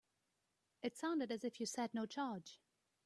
It sounded as if you said no charge.